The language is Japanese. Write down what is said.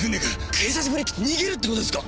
警察振り切って逃げるってことですか？